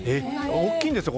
大きいんですよ。